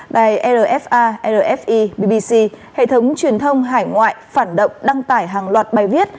đài rfa rfi bbc hệ thống truyền thông hải ngoại phản động đăng tải hàng loạt bài viết